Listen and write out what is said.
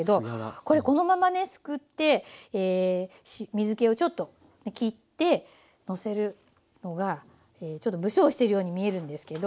これこのままねすくって水けをちょっと切ってのせるのがちょっと不精してるように見えるんですけど。